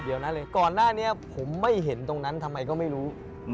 เดี๋ยวนั้นเลยก่อนหน้านี้ผมไม่เห็นตรงนั้นทำไมก็ไม่รู้